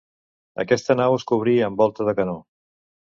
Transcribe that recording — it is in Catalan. Aquesta nau es cobrí amb volta de canó.